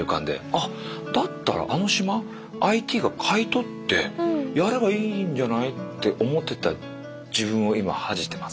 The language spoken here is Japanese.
あだったらあの島ＩＴが買い取ってやればいいんじゃないって思ってた自分を今恥じてます。